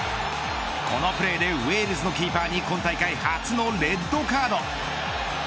このプレーでウェールズのキーパーに今大会初のレッドカード。